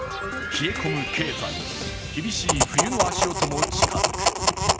冷え込む経済、厳しい冬の足音も近づく。